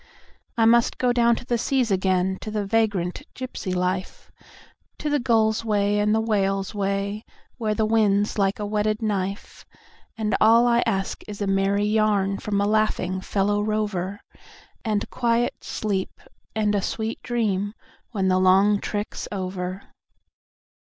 I must go down to the seas again, to the vagrant gypsy life, To the gull's way and the whale's way, where the wind's like a whetted knife; And all I ask is a merry yarn from a laughing fellow rover, And quiet sleep and a sweet dream when the long trick's over.